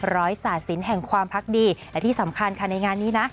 ร้อยสาธิตแห่งความพรรคดีและที่สำคัญค่ะในงานนี้นะ